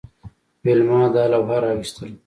ویلما دا لوحه راویستله